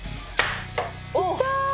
いったー！